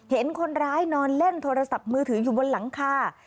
เห็นคนร้ายนอนเล่นโทรศัพท์มือถืออยู่บนหลังคา